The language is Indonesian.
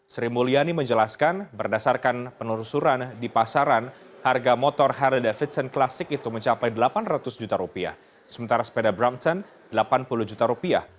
sri mulyani menjelaskan berdasarkan penelusuran di pasaran harga motor harry davidson klasik itu mencapai delapan ratus juta rupiah sementara sepeda brampton rp delapan puluh juta rupiah